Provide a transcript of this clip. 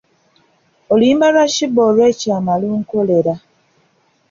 Oluyimba lwa Sheebah olw’ekyama lunkolera.